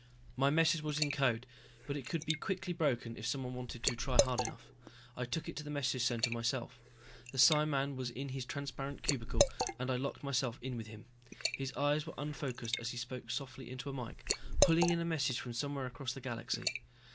My message was in code, but it could be quickly broken if someone wanted to try hard enough. I took it to the message center myself. The psiman was in his transparent cubicle and I locked myself in with him. His eyes were unfocused as he spoke softly into a mike, pulling in a message from somewhere across the galaxy.